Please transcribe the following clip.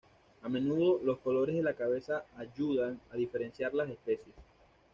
A menudo los colores de la cabeza ayudan a diferenciar las especies.